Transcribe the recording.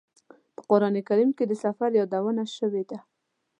په قران کریم کې د سفر یادونه شوې ده.